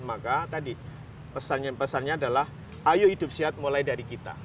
maka tadi pesannya adalah ayo hidup sehat mulai dari kita